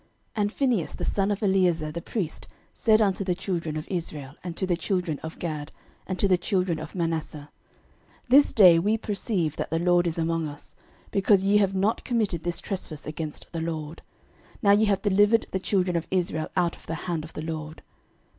06:022:031 And Phinehas the son of Eleazar the priest said unto the children of Reuben, and to the children of Gad, and to the children of Manasseh, This day we perceive that the LORD is among us, because ye have not committed this trespass against the LORD: now ye have delivered the children of Israel out of the hand of the LORD.